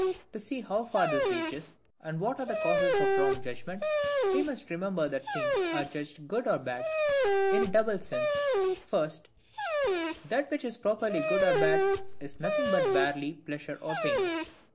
To see how far this reaches, and what are the causes of wrong judgment, we must remember that things are judged good or bad in a double sense:— First, THAT WHICH IS PROPERLY GOOD OR BAD, IS NOTHING BUT BARELY PLEASURE OR PAIN.